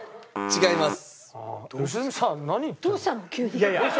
違います。